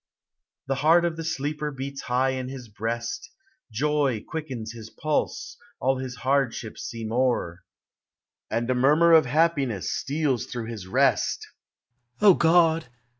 The heart of the sleeper beats high in his breast : Joy quickens his pulse, all his hardships seem o'er ; And a murmur of happiness steals through his rest, —"() <iod!